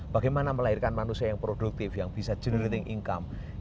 bagaimana melahirkan manusia yang produktif yang bisa generating income